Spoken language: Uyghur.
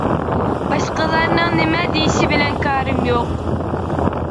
باشقىلارنىڭ نېمە دېيىشى بىلەن كارىم يوق.